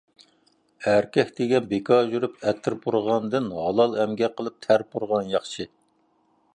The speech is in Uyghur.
ئەركەك دېگەن بىكار يۈرۈپ ئەتىر پۇرىغاندىن، ھالال ئەمگەك قىلىپ تەر پۇرىغان ياخشى.